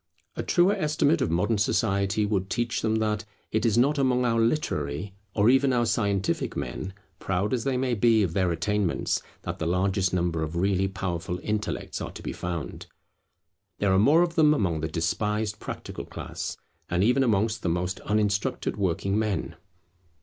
A truer estimate of modern society would teach them that it is not among our literary, or even our scientific men, proud as they may be of their attainments, that the largest number of really powerful intellects are to be found. There are more of them among the despised practical class, and even amongst the most uninstructed working men.